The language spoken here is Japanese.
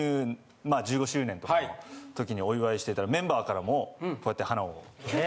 まあ１５周年とかのときにお祝いしてたメンバーからもこうやって花を。